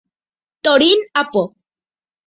Torín apo.